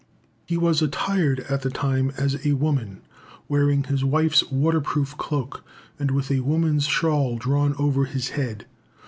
He was attired at the time as a woman, wearing his wife's waterproof cloak, and with a woman's shawl drawn over his head.